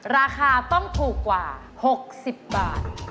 ราคาต้องถูกกว่า๖๐บาท